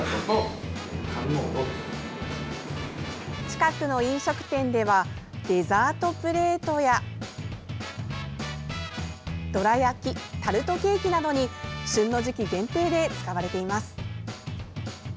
近くの飲食店ではデザートプレートやどら焼き、タルトケーキなどに旬の時期限定で使われています。